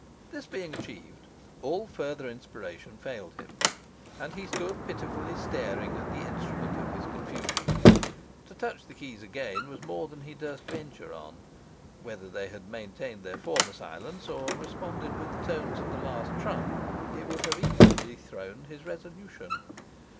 This being achieved, all further inspiration failed him, and he stood pitifully staring at the instrument of his confusion. To touch the keys again was more than he durst venture on; whether they had maintained their former silence, or responded with the tones of the last trump, it would have equally dethroned his resolution.